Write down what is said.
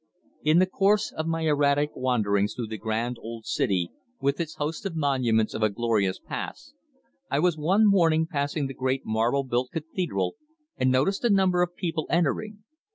In the course of my erratic wanderings through the grand old city, with its host of monuments of a glorious past, I was one morning passing the great marble built cathedral and noticed a number of people entering.